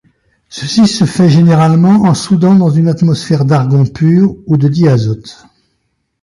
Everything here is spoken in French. Ceci se fait généralement en soudant dans une atmosphère d'argon pur ou de diazote.